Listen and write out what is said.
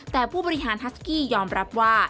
แต่ผู้บริหารทัสกี้ยอมรับว่า